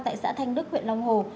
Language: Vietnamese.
tại xã thanh đức huyện long hồ